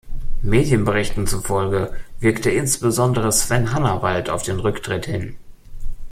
Medienberichten zufolge wirkte insbesondere Sven Hannawald auf den Rücktritt hin.